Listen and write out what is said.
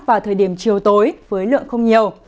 vào thời điểm chiều tối với lượng không nhiều